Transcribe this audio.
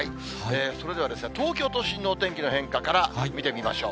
それでは東京都心のお天気の変化から見てみましょう。